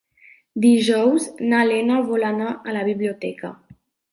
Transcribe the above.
Dijous na Lena vol anar a la biblioteca.